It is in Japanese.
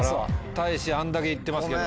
たいしあんだけいってますけど。